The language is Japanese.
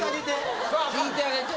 聞いてあげて。